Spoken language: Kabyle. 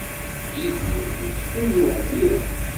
Yidir yessunuɣ mliḥ.